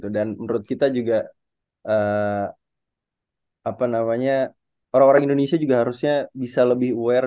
dan menurut kita juga orang orang indonesia juga harusnya bisa lebih aware